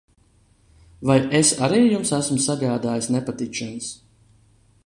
Vai es arī jums esmu sagādājis nepatikšanas?